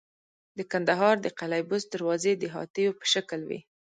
د کندهار د قلعه بست دروازې د هاتیو په شکل وې